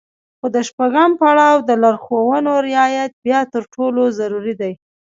خو د شپږم پړاو د لارښوونو رعايت بيا تر ټولو ضروري دی.